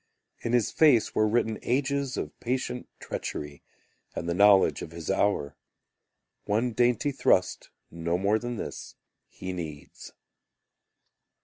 In his face were written ages Of patient treachery And the knowledge of his hour. One dainty thrust, no more Than this, he needs.